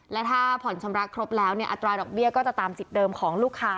และถ้าผ่อนชำระครบแล้วเนี่ยอัตราดอกเบี้ยก็จะตามสิทธิเดิมของลูกค้า